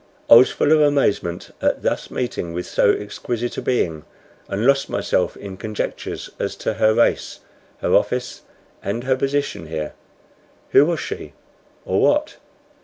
I was full of amazement at thus meeting with so exquisite a being, and lost myself in conjectures as to her race, her office, and her position here. Who was she, or what?